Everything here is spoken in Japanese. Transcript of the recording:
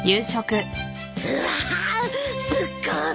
うわーすっごい！